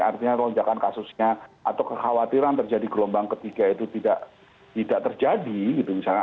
artinya lonjakan kasusnya atau kekhawatiran terjadi gelombang ketiga itu tidak terjadi gitu misalnya